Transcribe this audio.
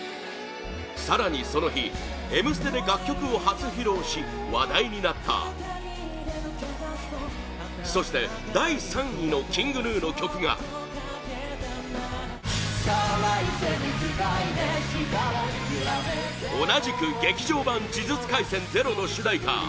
更に、その日「Ｍステ」で楽曲を初披露し話題になったそして、第３位のＫｉｎｇＧｎｕの曲が同じく「劇場版呪術廻戦０」の主題歌